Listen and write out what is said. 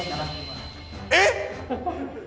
えっ！？